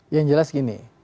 yang jelas gini